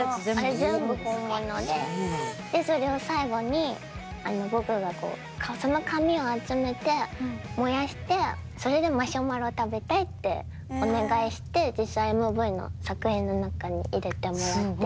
あれ全部本物ででそれを最後に僕がその紙を集めて燃やしてそれでマシュマロ食べたいってお願いして実際ＭＶの作品の中に入れてもらって。